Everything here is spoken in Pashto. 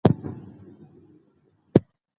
سعید په ډېرې چټکۍ سره خپل درسونه لولي.